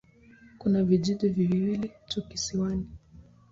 Kuna vijiji viwili tu kisiwani.